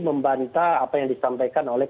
membantah apa yang disampaikan oleh